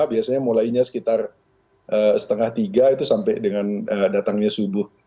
biasanya mulainya sekitar setengah tiga itu sampai dengan datangnya subuh